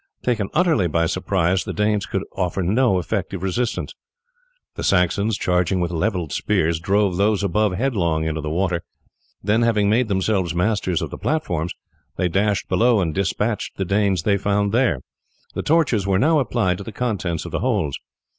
Taken utterly by surprise, the Danes could offer no effective resistance. The Saxons, charging with levelled spears, drove those above headlong into the water; then, having made themselves masters of the platforms, they dashed below and despatched the Danes they found there. The torches were now applied to the contents of the holds.